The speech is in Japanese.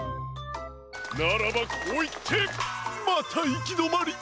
ならばこういってまたいきどまり！